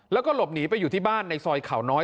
แล้วก็หลบหนีไปอยู่ที่บ้านในซอยเขาน้อย